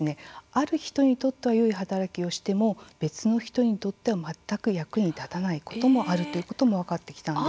ある人にとってはよい働きをしても別の人にとっては全く役立たないこともあるということも分かってきたんです。